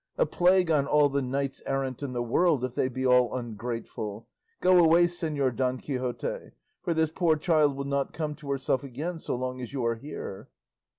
A plague on all the knights errant in the world, if they be all ungrateful! Go away, Señor Don Quixote; for this poor child will not come to herself again so long as you are here."